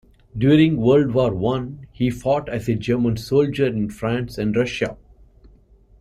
During World War One he fought as a German soldier in France and Russia.